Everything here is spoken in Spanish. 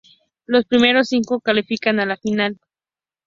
Los primeros cinco califican a la final.